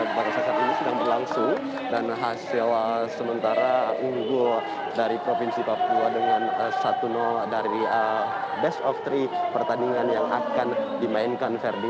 barisan ini sedang berlangsung dan hasil sementara unggul dari provinsi papua dengan satu dari best of three pertandingan yang akan dimainkan ferdi